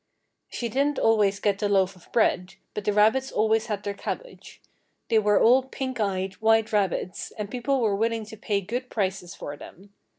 She didn't always get the loaf of bread, but the rabbits always had their cabbage. They were all pink eyed, white rabbits, and people were willing to pay good prices for them.